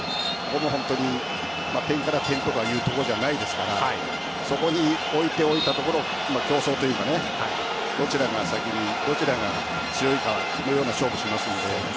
点から点とかいうところじゃないですからそこに置いておいたところ競争というかどちらが先に、どちらが強いかという勝負をしますので。